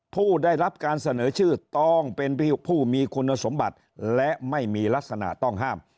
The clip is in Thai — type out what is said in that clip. ผู้ได้รับการเสนอชื่อต้องเป็นผู้มีคุณสมบัติและไม่มีลักษณะต้องห้าม